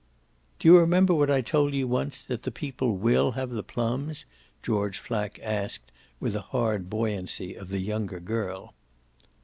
"Do you remember what I told you once, that the people WILL have the plums?" George Flack asked with a hard buoyancy of the younger girl.